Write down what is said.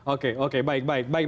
oke oke baik baik